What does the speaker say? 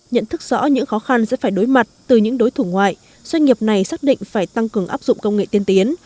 nhận thức rõ những khó khăn sẽ phải đối mặt từ những đối thủ ngoại doanh nghiệp này xác định phải tăng cường áp dụng công nghệ tiên tiến